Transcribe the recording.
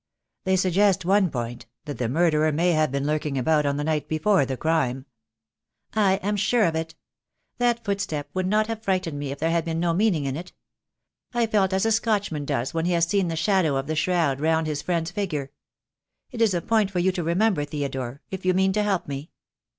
"They suggest one point — that the murderer may have been lurking about on the night before the crime." "I am sure of it. That footstep would not have frightened me if there had been no meaning in it. I felt as a Scotchman does when he has seen the shadow of the shroud round his friend's figure. It is a point for you to remember, Theodore; if you mean to help me."